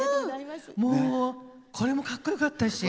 これもかっこよかったし。